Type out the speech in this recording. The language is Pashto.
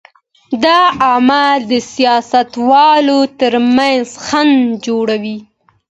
دا عامل د سیاستوالو تر منځ خنډ جوړوي.